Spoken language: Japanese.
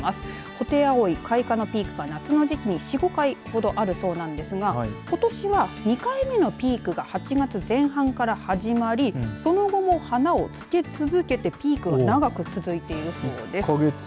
ホテイアオイ、開花のピークが夏に４、５回ほどあるそうなんですがことしは２回目のピークが８月前半から始まりその後も花をつけ続けてピークが長く続いているそうです。